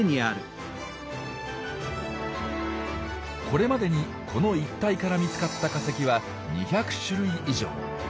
これまでにこの一帯から見つかった化石は２００種類以上。